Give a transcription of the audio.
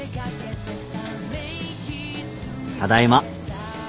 ただいま。